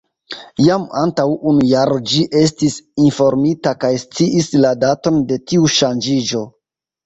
Jam antaŭ unu jaro ĝi estis informita kaj sciis la daton de tiu ŝanĝiĝo.